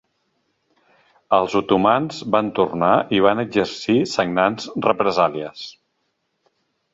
Els otomans van tornar i van exercir sagnants represàlies.